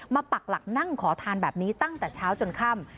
ปักหลักนั่งขอทานแบบนี้ตั้งแต่เช้าจนค่ำ